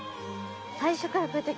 最初からこうやって。